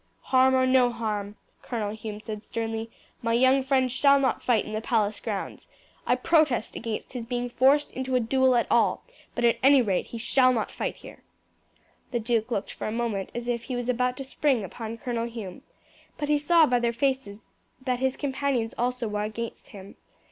"Harm or no harm," Colonel Hume said sternly, "my young friend shall not fight in the palace grounds. I protest against his being forced into a duel at all; but at any rate he shall not fight here." The duke looked for a moment as if he was about to spring upon Colonel Hume, but he saw by their faces that his companions also were against him.